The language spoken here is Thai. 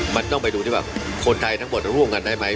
มันต้องไปดูที่ว่าคนไทยทั้งหมดร่วมกันได้ไหม